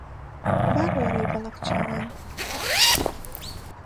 بالۆرەی بەڵەک چاوان